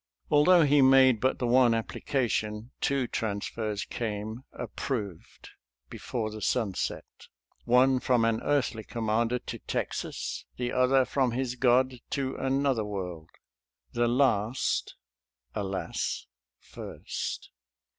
Although he made but the one appli cation, two transfers came " approved " before the sun set — one from an earthly commander to Texas, the other from his God to another world — the last, alas! first.